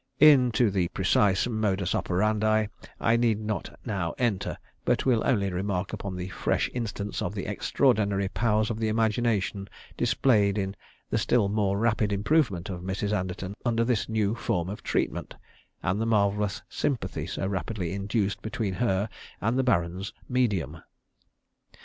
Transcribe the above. Into the precise modus operandi I need not now enter, but will only remark upon the fresh instance of the extraordinary powers of imagination displayed in the still more rapid improvement of Mrs. Anderton under this new form of treatment, and the marvellous "sympathy" so rapidly induced between her and the Baron's "medium."